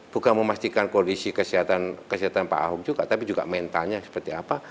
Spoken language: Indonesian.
bukan memastikan kondisi kesehatan pak ahok juga tapi juga mentalnya seperti apa